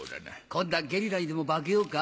今度はゲリラにでも化けようか？